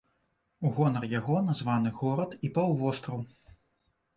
У гонар яго названы горад і паўвостраў.